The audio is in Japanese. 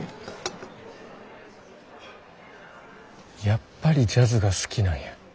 やっぱりジャズが好きなんや。